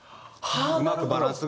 うまくバランスが。